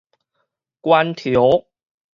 關頭